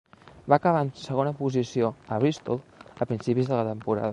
Va acabar en segona posició a Bristol a principis de la temporada.